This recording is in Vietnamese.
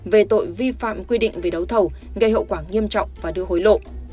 về tội vi phạm quy định về đấu thầu gây hậu quả nghiêm trọng và đưa hối lộ